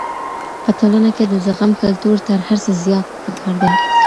په ټولنه کي د زغم کلتور تر هر څه زيات پکار دی.